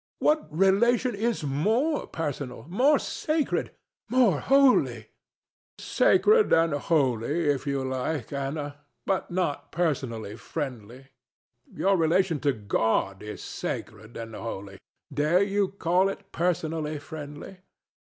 What relation is more personal? more sacred? more holy? DON JUAN. Sacred and holy, if you like, Ana, but not personally friendly. Your relation to God is sacred and holy: dare you call it personally friendly?